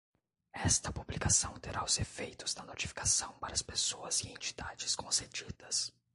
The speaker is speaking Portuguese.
Esta publicação terá os efeitos da notificação para as pessoas e entidades concedidas.